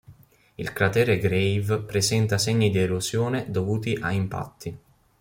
Il cratere Grave presenta segni di erosione dovuti a impatti.